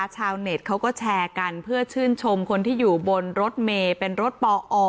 ชาวเน็ตเขาก็แชร์กันเพื่อชื่นชมคนที่อยู่บนรถเมย์เป็นรถปอ